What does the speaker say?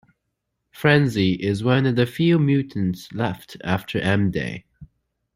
Frenzy is one of the few mutants left after M-Day.